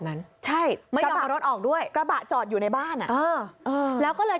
นั้นใช่ไม่ต้องเอารถออกด้วยกระบะจอดอยู่ในบ้านอ่ะเออแล้วก็เลย